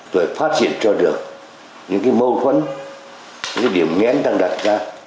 phải phát hiện cho được những cái mâu thuẫn những cái điểm nghén đang đặt ra